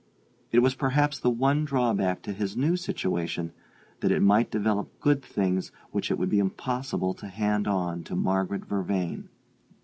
It was perhaps the one drawback to his new situation that it might develop good things which it would be impossible to hand on to Margaret Vervain.